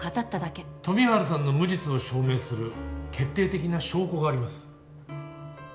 富治さんの無実を証明する決定的な証拠があります。